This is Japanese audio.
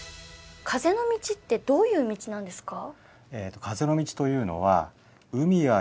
風の道ってどういう道なんですか？